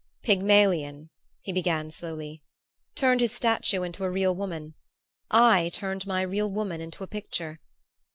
"Pygmalion," he began slowly, "turned his statue into a real woman; I turned my real woman into a picture.